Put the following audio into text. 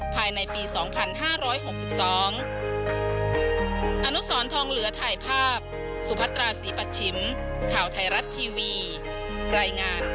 ภายในปี๒๕๖๒